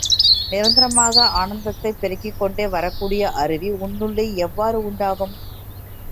நிரந்தரமாக ஆனந்தத்தைப் பெருக்கிக்கொண்டே வரக்கூடிய அருவி உன்னுள்ளே எவ்வாறு உண்டாகும்?